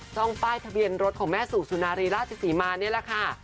ช่องป้ายทะเบียนรถของแม่สู่สุนารีราชศรีมานี่แหละค่ะ